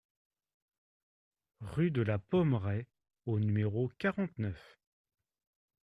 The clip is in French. Rue de la Pommerais au numéro quarante-neuf